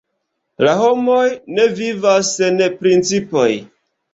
La homoj ne vivas sen principoj.